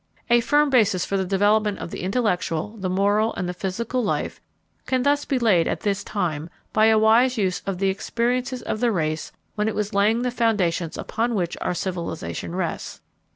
A firm basis for the development of the intellectual, the moral, and the physical life can thus be laid at this time by a wise use of the experiences of the race when it was laying the foundations upon which our civilization rests.